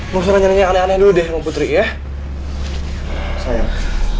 mau seranya aneh aneh dulu deh putri ya sayang